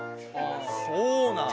そうなん？